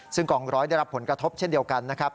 ซึ่งกองร้อยได้รับผลกระทบเช่นเดียวกันนะครับ